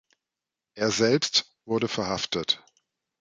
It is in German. Er selbst wurde verhaftet.